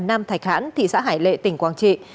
nam thạch hãn thị xã hải lệ tỉnh quảng trị